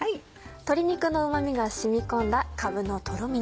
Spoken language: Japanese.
鶏肉のうま味が染み込んだかぶのとろみ煮。